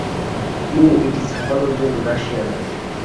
তিনি এটি ছাপানোর জন্য রাশিয়া যান।